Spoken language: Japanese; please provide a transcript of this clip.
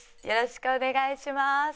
よろしくお願いします。